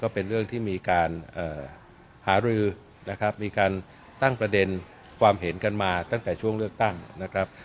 เป็นเรื่องที่มีการหารือนะครับมีการตั้งประเด็นความเห็นกันมาตั้งแต่ช่วงเลือกตั้งนะครับ